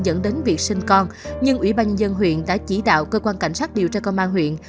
dẫn đến việc sinh con nhưng ủy banh dân huyện đã chỉ đạo cơ quan cảnh sát điều tra con ma huyện